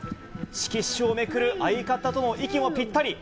色紙をめくる相方との息もぴったり。